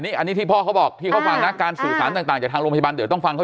นี้ที่พ่อเขาบอกการสื่อสารต่างจากโรงพยาบาลต้องฟังเขา